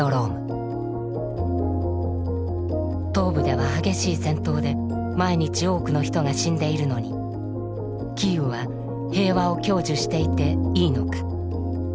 東部では激しい戦闘で毎日多くの人が死んでいるのにキーウは平和を享受していていいのか。